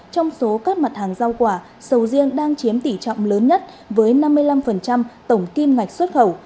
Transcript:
trong số các mặt hàng rau quả sầu riêng đang chiếm tỷ trọng lớn nhất với năm mươi năm tổng kim ngạch xuất khẩu